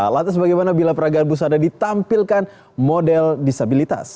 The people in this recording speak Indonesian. lantas bagaimana bila peragangan busa ada ditampilkan model disabilitas